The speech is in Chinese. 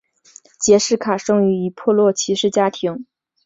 杰式卡生于一破落骑士家庭。